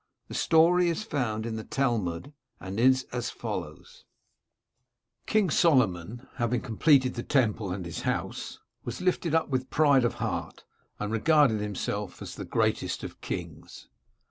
The story is found in the Talmud and is as follows :—^" King Solomon, having completed the temple and his house, was lifted up with pride of heart, and regarded himself as the greatest of kings.